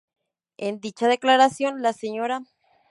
En dicha declaración la Sra.